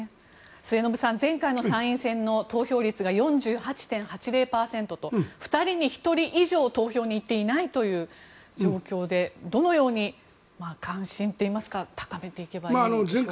末延さん前回の参院選の投票率が４８．８０％と２人に１人以上投票に行っていないという状況でどのように関心といいますか高めていけばいいでしょうか。